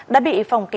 đã bị phòng kiểm